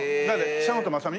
久本雅美？